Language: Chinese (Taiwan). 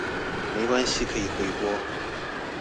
沒關係可以回播